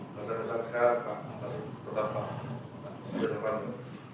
masa masa sekarang pak tetap pak sejati patu